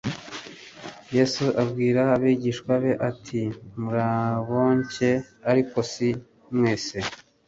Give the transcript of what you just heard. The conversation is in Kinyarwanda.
Yesu abwira abigishwa be ati: «Muraboncye, ariko si mwese.»